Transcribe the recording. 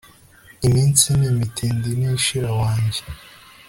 iminsi ni imitindi ntishira wanjye